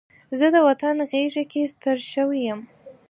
زه د وطن غېږ کې ستر شوی یم